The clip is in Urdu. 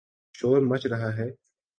شور مچ رہا ہے۔